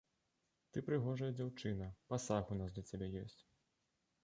Ты прыгожая дзяўчына, пасаг у нас для цябе ёсць.